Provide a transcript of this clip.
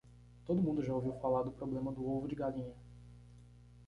Todo mundo já ouviu falar do problema do ovo de galinha.